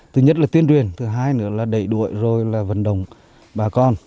thứ nhất là tuyên truyền thứ hai nữa là đẩy đuổi rồi là vận động bà con